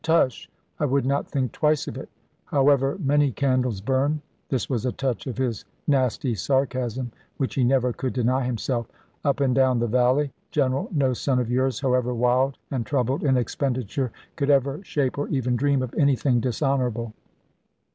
Tush! I would not twice think of it. However many candles burn" this was a touch of his nasty sarcasm, which he never could deny himself "up and down the valley, General, no son of yours, however wild, and troubled in expenditure, could ever shape or even dream of anything dishonourable."